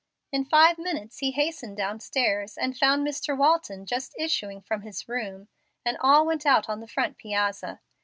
In five minutes he hastened downstairs and found Mr. Walton just issuing from his room; and all went out on the front piazza.